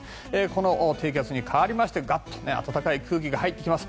この低気圧に代わりましてガッと暖かい空気が入ってきます。